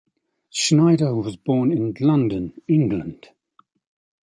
Schneider was born in London, England.